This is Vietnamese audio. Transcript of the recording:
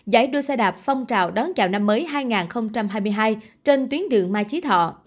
giải đua xe đạp phong trào đón chào năm mới hai nghìn hai mươi hai trên tuyến đường mai chí thọ